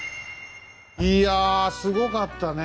いやすごかったね。